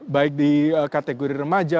baik di kategori remaja